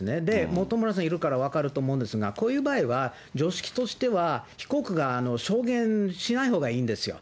本村さんいるから分かると思うんですが、こういう場合は、常識としては、被告が証言しないほうがいいんですよ。